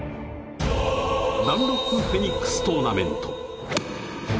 ダンロップフェニックストーナメント。